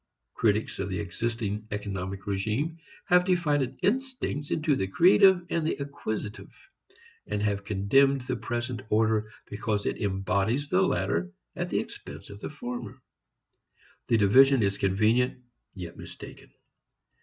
Critics of the existing economic regime have divided instincts into the creative and the acquisitive, and have condemned the present order because it embodies the latter at the expense of the former. The division is convenient, yet mistaken.